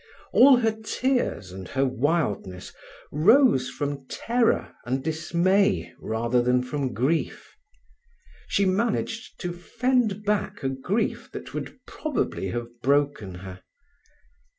All her tears and her wildness rose from terror and dismay rather than from grief. She managed to fend back a grief that would probably have broken her.